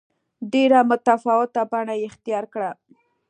ډېره متفاوته بڼه یې اختیار کړه.